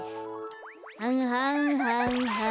はんはんはんはん。